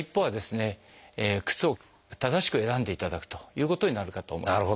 靴を正しく選んでいただくということになるかと思います。